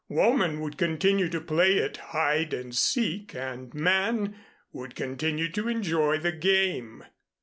Woman would continue to play at hide and seek, and man would continue to enjoy the game.